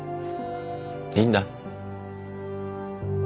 いいんだ。